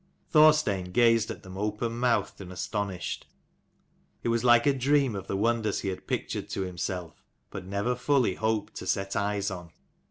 Thorstein gazed at them openmouthed and astonished : it was like a dream of the wonders he had pictured to himself, but never fully hoped to set eyes on.